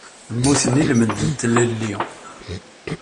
Mmuten i lmend n tlelli.